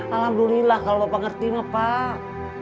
alhamdulillah kalau bapak mengerti pak